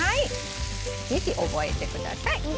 ぜひ覚えてください。